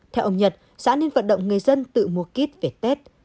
theo ông nhật xã nên vận động người dân tự mua kit về tết